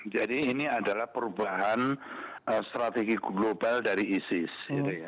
jadi ini adalah perubahan strategi global dari isis